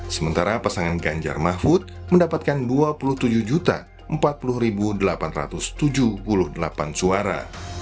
sementara pasangan ganjar mahfud mendapatkan dua puluh tujuh empat puluh delapan ratus tujuh puluh delapan suara